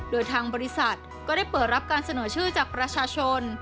โดยทางบริษัทก็ได้เปิดรับการเสนอชื่อจากประชาชน